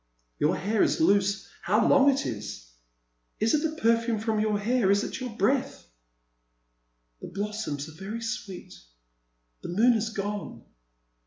*' Your hair is loose — how long it is I Is it the perfiime from your hair — is it your breath —"The blossoms are very sweet ; the moon has gone."